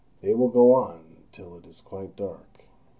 They will go on till it is quite dark.